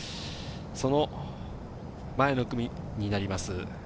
その前の組になります。